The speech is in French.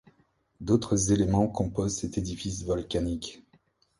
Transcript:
D'autres éléments composent cet édifice volcanique.